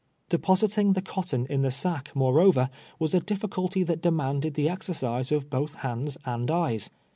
Depositing the cotton in the sack, moreover, was a difficulty that demanded the exercise of both hands and eyes.